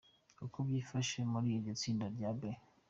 Uko byifashe muri iryo tsinda rya B:.